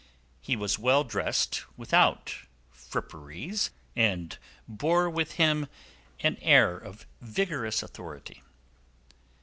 He was well dressed without fripperies, and bore with him an air of vigorous authority.